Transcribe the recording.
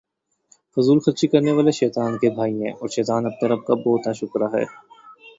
فضول خرچی کرنے والے شیطان کے بھائی ہیں، اور شیطان اپنے رب کا بہت ناشکرا ہے